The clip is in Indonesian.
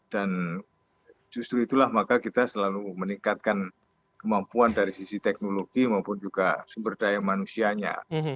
dan justru itulah maka kita selalu meningkatkan kemampuan dari sisi teknologi maupun juga sumber daya manusianya